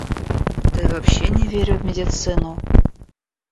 Да и вообще не верю в медицину.